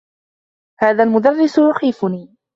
هذا المدرّس يخيفني.